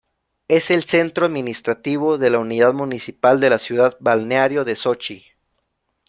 Es el centro administrativo de la unidad municipal de la ciudad-balneario de Sochi.